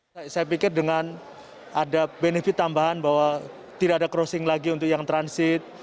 saya pikir dengan ada benefit tambahan bahwa tidak ada crossing lagi untuk yang transit